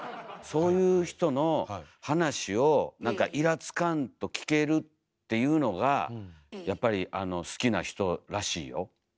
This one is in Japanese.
そういう人の話を何かいらつかんと聞けるっていうのがやっぱりあの好きな人らしいよ？